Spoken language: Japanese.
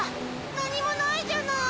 なにもないじゃない。